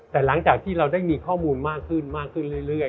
แต่หลังจากที่เราได้มีข้อมูลมากขึ้นมากขึ้นเรื่อย